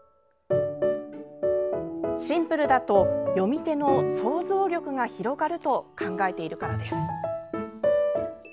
シンプルだと、読み手の想像力が広がると考えているからです。